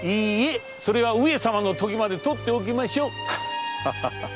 それは上様のときまでとっておきましょう！